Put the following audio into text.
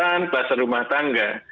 dan juga pasar rumah tangga